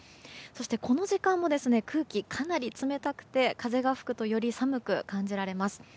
そして、この時間も空気、かなり冷たくて風が吹くとより寒く感じられます。